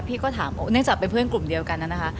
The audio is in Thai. พี่ก็ถามเนื่องจากเป็นเพื่อนกลุ่มเดียวกันนั้นนะคะ